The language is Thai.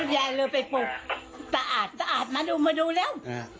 ยายเลยไปปลูกสะอาดสะอาดมาดูมาดูแล้ว